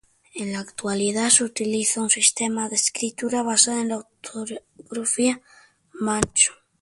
En la actualidad se utiliza un sistema de escritura basada en la ortografía manchú.